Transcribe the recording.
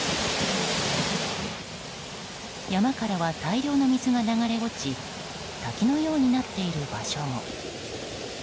山からは大量の水が流れ落ち滝のようになっている場所も。